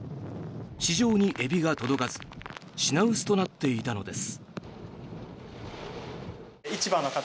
市場にエビが届かず品薄となっていたのです。